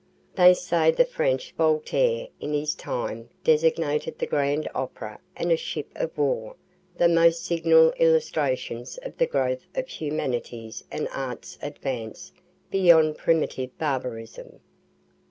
(They say the French Voltaire in his time designated the grand opera and a ship of war the most signal illustrations of the growth of humanity's and art's advance beyond primitive barbarism.